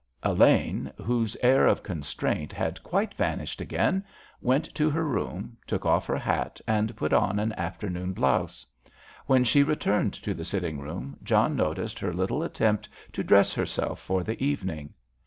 Elaine, whose air of constraint had quite vanished again, went to her room, took off her hat, and put on an afternoon blouse. When she returned to the sitting room John noticed her little attempt to dress herself for the evening.